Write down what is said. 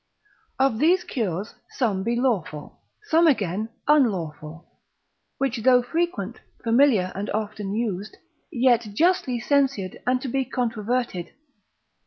Of these cures some be lawful, some again unlawful, which though frequent, familiar, and often used, yet justly censured, and to be controverted.